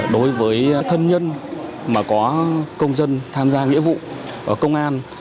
đối với thân nhân mà có công dân tham gia nghĩa vụ ở công an